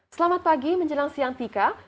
selamat pagi menjelang siang tika